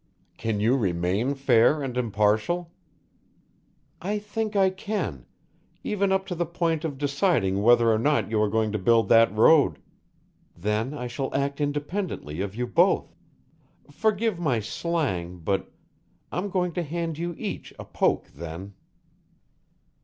"Can you remain fair and impartial?" "I think I can even up to the point of deciding whether or not you are going to build that road. Then I shall act independently of you both. Forgive my slang, but I'm going to hand you each a poke then."